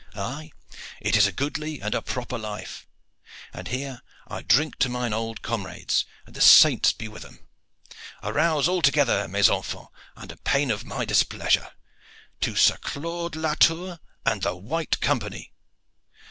Aye, it is a goodly and a proper life. And here I drink to mine old comrades, and the saints be with them! Arouse all together, mes enfants, under pain of my displeasure. To Sir Claude Latour and the White Company!"